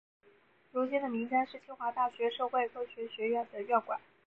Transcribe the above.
如今的明斋是清华大学社会科学学院的院馆。